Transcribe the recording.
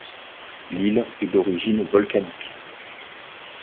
L’île est d'origine volcanique.